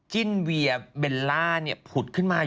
จิ้นเวียเบลล่าผุดขึ้นมา